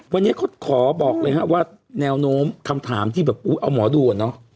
วันนี้เขาขอบอกเลยฮะว่าแนวโน้มคำถามที่แบบเอาหมอดูอ่ะเนอะ